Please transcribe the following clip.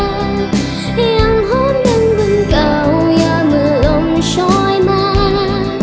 ยังหอบดังวันเก่ายามเมื่อลมช้อยมา